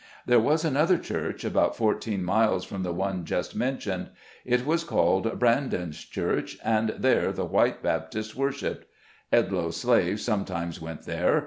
There was another church, about fourteen miles from the one just mentioned. It was called "Bran don's church ", and there the white Baptists wor shiped. Edloe's slaves sometimes went there.